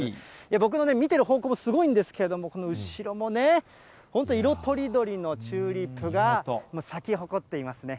僕の見ている方向もすごいんですけど、この後ろもね、本当、色とりどりのチューリップが咲き誇っていますね。